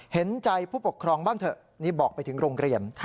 เห็นใจผู้ปกครองบ้างเถอะนี่บอกไปถึงโรงเรียน